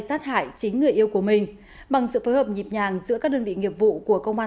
sát hại chính người yêu của mình bằng sự phối hợp nhịp nhàng giữa các đơn vị nghiệp vụ của công an